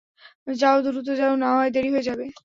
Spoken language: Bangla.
যাও, দ্রুত যাও, নাহয় দেড়ি হয়ে যাবে।